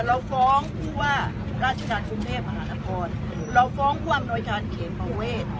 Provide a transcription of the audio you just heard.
เราฟ้องเพราะว่าราชการภูมิเทพมหานครเราฟ้องความน้อยการเขียนประเวท